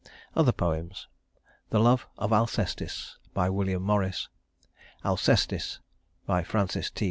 Other poems: The Love of Alcestis WILLIAM MORRIS Alcestis FRANCIS T.